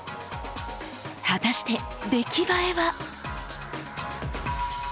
果たして出来栄えは？